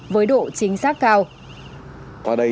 với độ chính xác cao